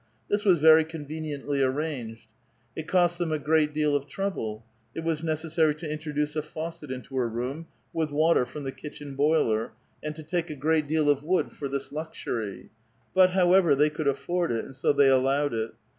(This was very con veniently arranged ; it cost them a great deal of trouble ; it was necessary to introduce a faucet into her room, with water from the kitchen boiler, and to take a great deal of wood for this luxury ; but, however, they could afford it, and so they allowed it.)